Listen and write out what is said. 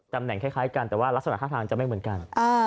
แหนคล้ายกันแต่ว่ารักษณะท่าทางจะไม่เหมือนกัน